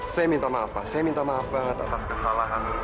saya minta maaf pak saya minta maaf banget atas kesalahan